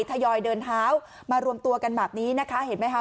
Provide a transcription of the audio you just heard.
ยอยเดินเท้ามารวมตัวกันแบบนี้นะคะเห็นไหมคะ